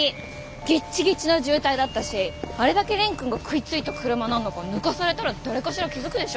ギッチギチの渋滞だったしあれだけ蓮くんが食いついた車なんだから抜かされたら誰かしら気付くでしょ。